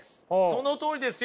そのとおりですよ。